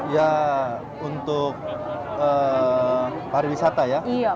ya untuk pariwisata ya